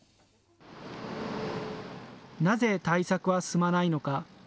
なぜ対策は進まないのか。